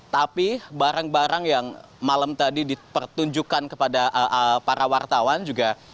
tapi barang barang yang malam tadi dipertunjukkan kepada para wartawan juga